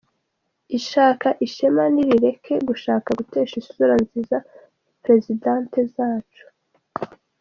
Ishaka Ishema nirireke gushaka gutesha isura nziza Prezidante zacu.